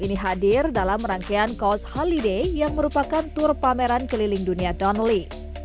ini hadir dalam rangkaian cost holiday yang merupakan tur pameran keliling dunia downly